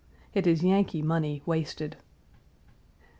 It is Yankee money wasted. 1.